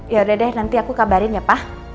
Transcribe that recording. yaudah deh nanti aku kabarin ya pak